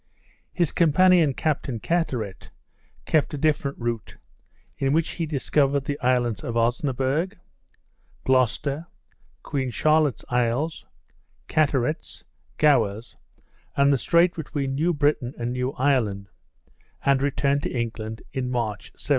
His companion Captain Carteret kept a different route, in which he discovered the islands of Osnaburg, Gloucester, Queen Charlotte's Isles, Carteret's, Gower's, and the strait between New Britain and New Ireland; and returned to England in March, 1769.